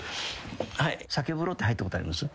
酒風呂って入ったことあります？